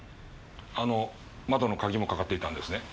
あの窓の鍵もかかっていたんですね？